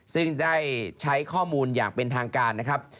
ซึ่งได้ใช้ข้อมูลอย่างเป็นทางการนะครับ